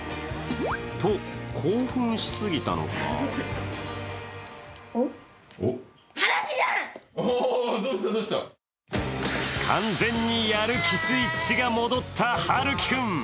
と興奮しすぎたのか完全にやる気スイッチが戻った陽生君。